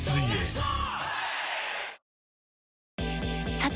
さて！